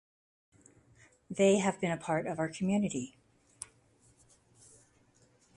They have been part of our community.